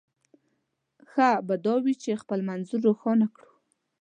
ښه به دا وي چې خپل منظور روښانه کړو.